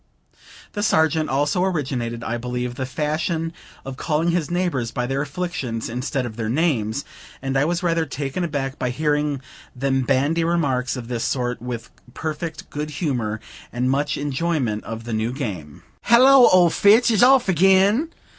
The Sergeant also originated, I believe, the fashion of calling his neighbors by their afflictions instead of their names; and I was rather taken aback by hearing them bandy remarks of this sort, with perfect good humor and much enjoyment of the new game. "Hallo, old Fits is off again!"